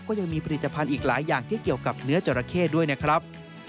ก็ยังมีผลิตภัณฑ์อีกหลายอย่างที่เกี่ยวกับเนื้อจราเข้ด้วยนะครับ